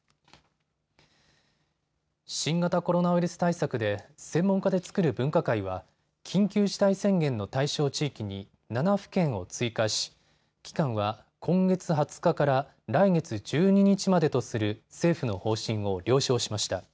新型コロナウイルス対策で専門家で作る分科会は緊急事態宣言の対象地域に７府県を追加し期間は今月２０日から来月１２日までとする政府の方針を了承しました。